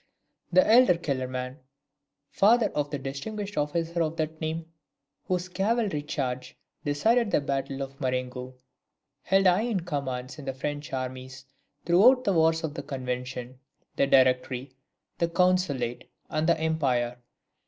The elder Kellerman (father of the distinguished officer of that name, whose cavalry charge decided the battle of Marengo) held high commands in the French armies throughout the wars of the Convention, the Directory, the Consulate, and the Empire.